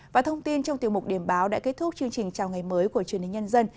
và thông tin trong tiểu mục điểm báo đã kết thúc chương trình chào ngày mới của truyền hình nhân dân